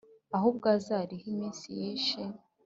ahubwo azarihe iminsi yishe